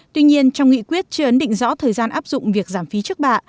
tuy nhiên trong nghị quyết chưa ấn định rõ thời gian áp dụng việc giảm phí trước bạ